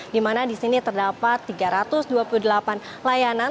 dimana disini terdapat tiga ratus dua puluh delapan layanan